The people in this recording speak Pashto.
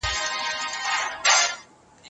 ګلالى زهير محمدابراهيم مشرقي